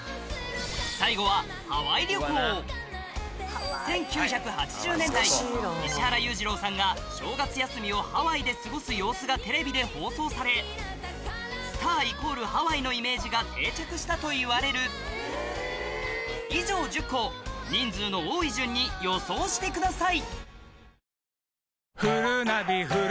最後は１９８０年代石原裕次郎さんが正月休みをハワイで過ごす様子がテレビで放送されスターイコールハワイのイメージが定着したといわれる以上１０個を人数の多い順に予想してください